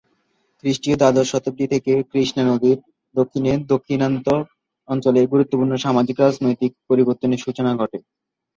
খ্রিস্টীয় দ্বাদশ শতাব্দী থেকে কৃষ্ণা নদীর দক্ষিণে দাক্ষিণাত্য অঞ্চলে গুরুত্বপূর্ণ সামাজিক-রাজনৈতিক পরিবর্তনের সূচনা ঘটে।